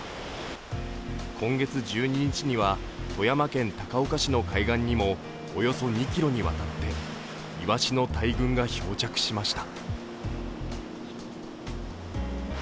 今月１２日には富山県高岡市の海岸にもおよそ２ｋｍにわたってイワシの大群が漂着しました。